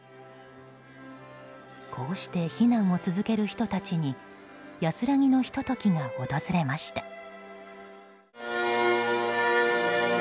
こうして避難を続ける人たちに安らぎのひと時が訪れました。